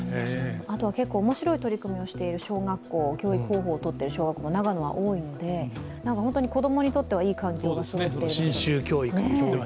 あとは結構面白い取り組みをしている小学校、教育方法をとっている小学校が長野は多いので、子供にとってはいい環境がそろっているなと。